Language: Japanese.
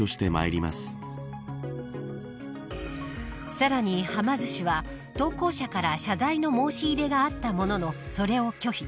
さらに、はま寿司は投稿者から謝罪の申し入れがあったもののそれを拒否。